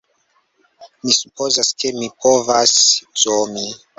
Mi supozas, ke mi povas zomi